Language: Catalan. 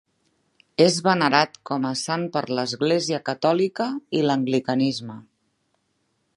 És venerat com a sant per l'Església Catòlica i l'anglicanisme.